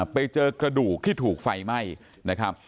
ไปเจอกระดูกที่ถูกไฟไหม้นะครับ